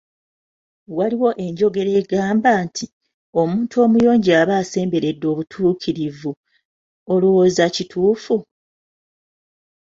Waliwo enjogera egamba nti, omuntu omuyonjo aba asemberedde obutuukirivu , olowooza kituufu?